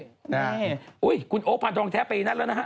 ใช่คุณโอ้คมทหารท้องแท้อีนัดนะฮะ